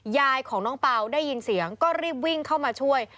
ยายของน้องเปล่าได้ยินเสียงก็รีบวิ่งเข้ามาช่วย